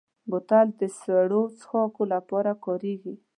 بوتل د سړو څښاکو لپاره کارېږي.